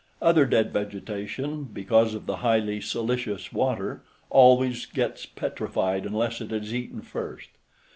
Other dead vegetation, because of the highly silicious water, always gets petrified unless it is eaten first.